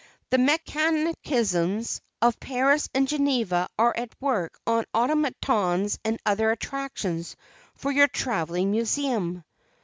The mechanicians of Paris and Geneva are at work on automatons and other attractions for your travelling museum."